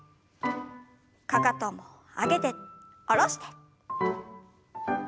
かかとも上げて下ろして。